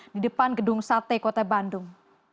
di depan gedung sate kota bandung